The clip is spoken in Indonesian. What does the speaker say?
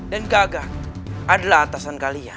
dan gagak adalah atasan kalian